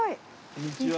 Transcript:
こんにちは。